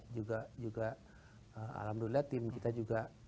juga alhamdulillah tim kita juga